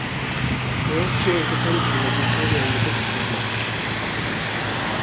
Guercio's attention was not only on the big-time artists.